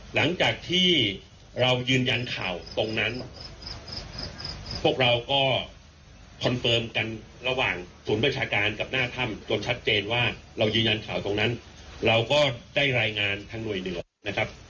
หลังจากที่เรายืนยันข่าวตรงนั้นพวกเราก็คอนเฟิร์มกันระหว่างศูนย์ประชาการกับหน้าถ้ำจนชัดเจนว่าเรายืนยันข่าวตรงนั้นเราก็ได้รายงานทางหน่วยเหนือนะครับ